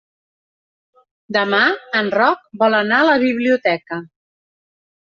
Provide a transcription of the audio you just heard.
Demà en Roc vol anar a la biblioteca.